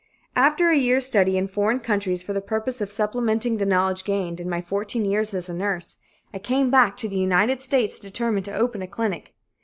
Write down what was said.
After a year's study in foreign countries for the purpose of supplementing the knowledge gained in my fourteen years as a nurse, I came back to the United States determined to open a clinic.